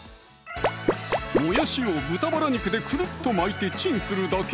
もやしを豚バラ肉でくるっと巻いてチンするだけ！